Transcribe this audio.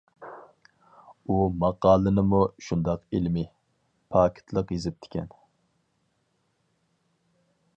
ئۇ ماقالىنىمۇ شۇنداق ئىلمىي، پاكىتلىق يېزىپتىكەن.